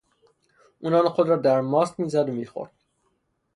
او نان خود را در ماست میزد و میخورد.